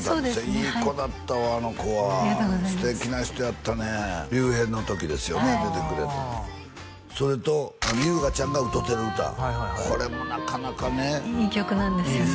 いい子だったわあの子はありがとうございます素敵な人やったね龍平の時ですよね出てくれてそれと優河ちゃんが歌うてる歌これもなかなかねいい曲なんですよねいい